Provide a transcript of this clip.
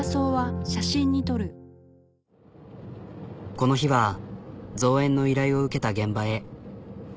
この日は造園の依頼を受けた現場へ。